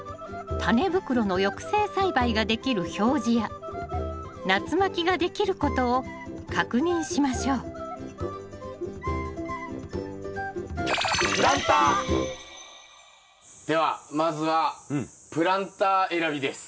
タネ袋の抑制栽培ができる表示や夏まきができることを確認しましょうではまずはプランター選びです。